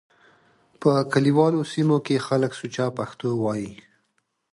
په کليوالو سيمو کې خلک سوچه پښتو وايي.